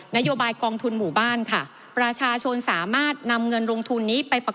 นโยบายกองทุนหมู่บ้านค่ะประชาชนสามารถนำเงินลงทุนนี้ไปประกอบ